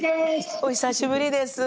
お久しぶりです